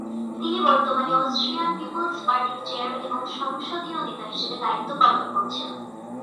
তিনি বর্তমানে Austrian People's পার্টির চেয়ারম্যান এবং সংসদীয় নেতা হিসেবে দায়িত্ব পালন করছেন।